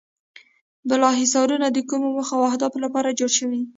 بالا حصارونه د کومو موخو او هدفونو لپاره جوړ شوي.